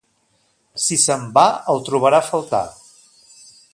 Si se'n va, el trobarà a faltar.